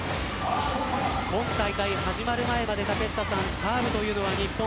今大会、始まる前までサーブというのは日本